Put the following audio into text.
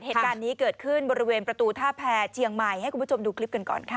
เหตุการณ์นี้เกิดขึ้นบริเวณประตูท่าแพรเชียงใหม่ให้คุณผู้ชมดูคลิปกันก่อนค่ะ